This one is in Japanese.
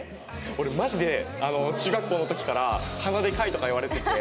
俺マジで中学校の時から鼻でかいとか言われてて。